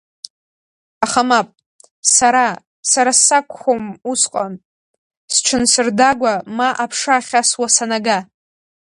Аха, мап, сара сара сакәхом усҟан, сҽансырдагәа, ма аԥша ахьасуа санага.